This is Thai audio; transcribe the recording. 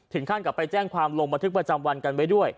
ขั้นกลับไปแจ้งความลงบันทึกประจำวันกันไว้ด้วย